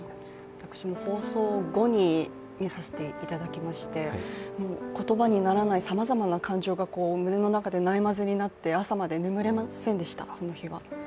私も放送後に見させていただきましてもう言葉にならないさまざまな感情が胸の中でない交ぜになって、朝まで眠れませんでした、その日は。